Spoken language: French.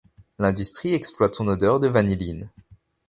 L'industrie exploite son odeur de vanilline.